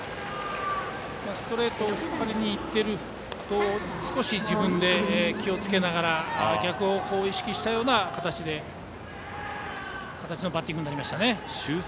ストレートを引っ張りにいっていると自分で気をつけながら逆方向を意識したバッティングになりました。